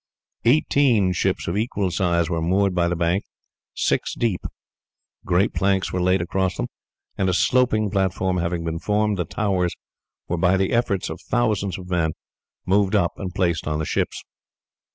Eighteen ships of equal size were moored by the bank six deep. Great planks were laid across them, and a sloping platform having been formed, the towers were by the efforts of thousands of men moved up and placed on the ships.